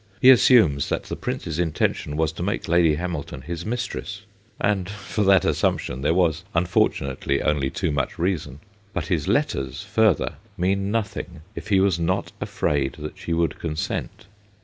He assumes that the Prince's intention was to make Lady Hamilton his mistress, and for that assumption there was unfortunately only too much reason. But his letters, further, mean nothing if he was not afraid that she would consent.